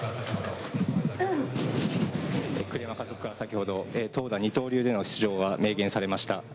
栗山監督から、先ほど、投打二刀流での出場を明言されました。